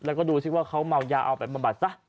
แล้วก็ดูสิว่าเขาเมายาเอาไปบำบัดซะ